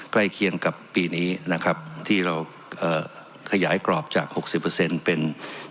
ใกล้เคียงกับปีนี้นะครับที่เราเอ่อขยายกรอบจาก๖๐เป็น